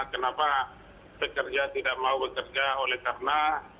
kenapa pekerja tidak mau bekerja oleh karena